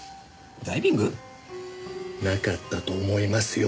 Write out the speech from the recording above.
ダイビング？なかったと思いますよ！